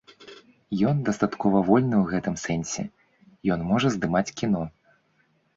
Ён дастаткова вольны ў гэтым сэнсе, ён можа здымаць кіно.